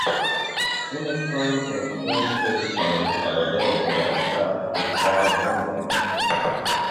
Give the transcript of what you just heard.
Index funds and exchange-traded funds are available that track this bond index.